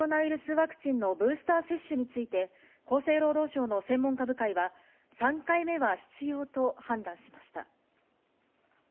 ワクチンのブースター接種について、厚生労働省の専門家部会は、３回目は必要と判断しました。